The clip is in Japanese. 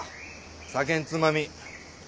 酒んつまみ。